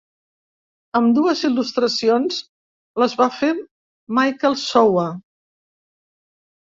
Ambdues il·lustracions les va fer Michael Sowa.